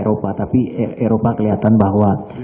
eropa tapi eropa kelihatan bahwa